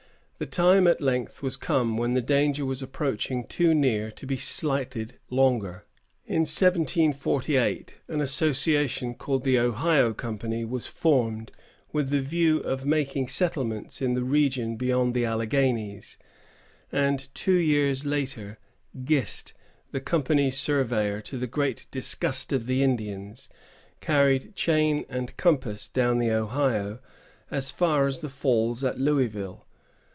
The time at length was come when the danger was approaching too near to be slighted longer. In 1748, an association, called the Ohio Company, was formed with the view of making settlements in the region beyond the Alleghanies; and two years later, Gist, the company's surveyor, to the great disgust of the Indians, carried chain and compass down the Ohio as far as the falls at Louisville.